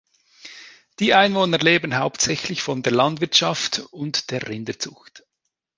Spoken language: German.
Die Einwohner leben hauptsächlich von der Landwirtschaft und der Rinderzucht.